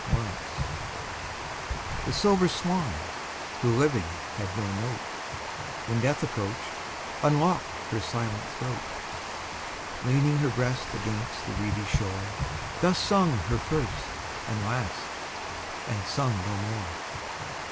6 Autoplay The silver swan, who living had no note, When death approach'd, unlock'd her silent throat; Leaning her breast against the reedy shore, Thus sung her first and last, and sung no more.